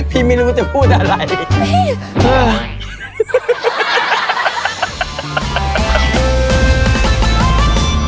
ไม่รู้จะพูดอะไร